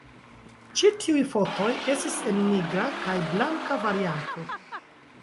Ĉi tiuj fotoj estis en nigra kaj blanka varianto.